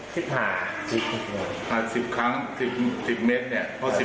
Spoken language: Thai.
สิบหาสิบหาสิบครั้งสิบเมตรเนี่ย